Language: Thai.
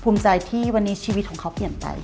ภูมิใจที่วันนี้ชีวิตของเขาเปลี่ยนไป